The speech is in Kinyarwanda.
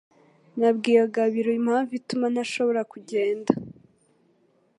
Nabwiye Gabiro impamvu ituma ntashobora kugenda